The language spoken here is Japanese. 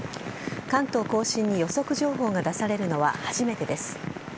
関東甲信に予測情報が出されるのは初めてです。